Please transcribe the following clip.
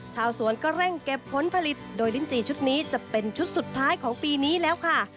ชาวสวนก็เร่งเก็บผลผลิตโดยลิ้นจีชุดนี้จะเป็นชุดสุดท้ายของปีนี้แล้วค่ะ